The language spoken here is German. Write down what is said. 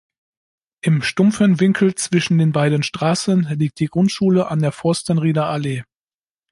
Im stumpfen Winkel zwischen den beiden Straßen liegt die Grundschule an der Forstenrieder Allee.